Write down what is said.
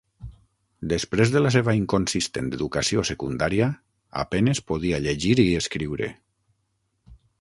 Després de la seva "inconsistent" educació secundària, a penes podia llegir i escriure.